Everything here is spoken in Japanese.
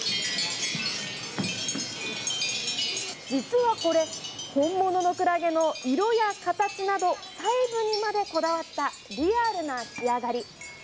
実はこれ、本物のクラゲの色や形など、細部にまでこだわった、リアルな仕上がり。